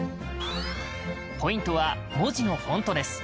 ポイントは文字のフォントです。